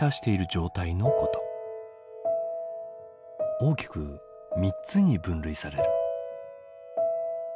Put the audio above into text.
大きく３つに分類される。